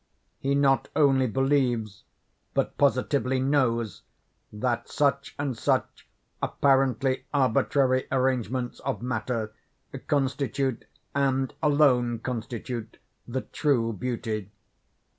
He not only believes, but positively knows, that such and such apparently arbitrary arrangements of matter constitute and alone constitute the true beauty.